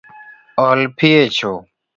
Ol pi echo